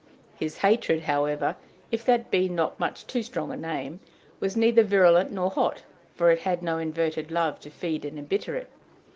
His hatred, however, if that be not much too strong a name, was neither virulent nor hot, for it had no inverted love to feed and embitter it.